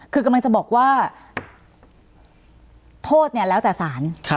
คือกำลังจะบอกว่าโทษเนี่ยแล้วแต่สาร